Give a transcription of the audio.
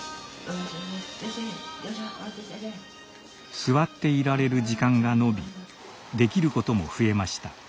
座っていられる時間が延びできることも増えました。